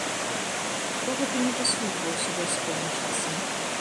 Хто гэта ні выслужваўся вайсковым часам.